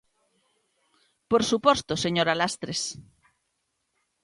Por suposto, señora Lastres.